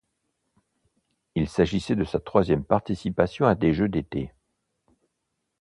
Il s'agissait de sa troisième participation à des Jeux d'été.